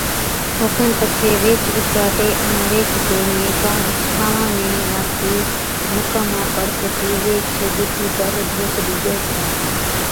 اوکن پچي ويھِچ اُڦراٽي ائُون ويھِچ گوڻِيئَين ڪا ٺاھوان ۾ ناکتِي مقاما پر جتِي ويھِچ بُٺِي پر ڌوڪ ڏِجَي ڇَي